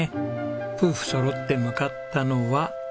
夫婦そろって向かったのは。